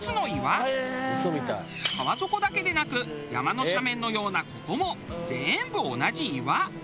川底だけでなく山の斜面のようなここも全部同じ岩。